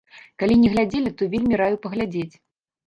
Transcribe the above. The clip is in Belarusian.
Калі не глядзелі, то вельмі раю паглядзець.